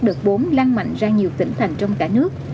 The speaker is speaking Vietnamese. đợt bốn lan mạnh ra nhiều tỉnh thành trong cả nước